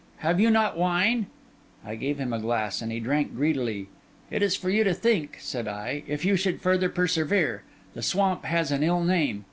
Have you not wine?' I gave him a glass, and he drank greedily. 'It is for you to think,' said I, 'if you should further persevere. The swamp has an ill name.